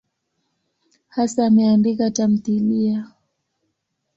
Hasa ameandika tamthiliya.